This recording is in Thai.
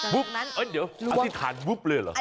เดี๋ยวอธิษฐานวุ๊บเลยเหรอ